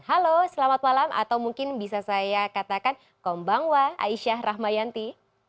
halo selamat malam atau mungkin bisa saya katakan kombangwa aisyah rahmayanti